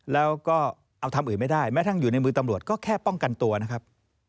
แล้วก็เอาทำอื่นไม่ได้แม้ทั้งอยู่ในมือตำรวจก็แค่ป้องกันตัวนะครับ